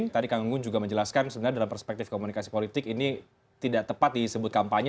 karena dalam perspektif komunikasi politik ini tidak tepat disebut kampanye